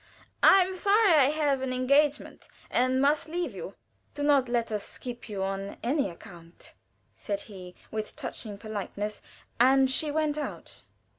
"I am sorry I have an engagement, and must leave you." "Do not let us keep you on any account," said he, with touching politeness; and she went out.